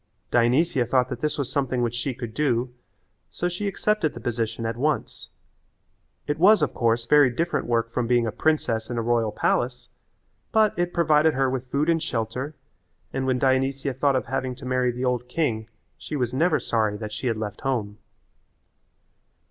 Dionysia thought that this was something which she could do, so she accepted the position at once. It was, of course, very different work from being a princess in a royal palace but it provided her with food and shelter, and when Dionysia thought of having to marry the old king she was never sorry that she had left home.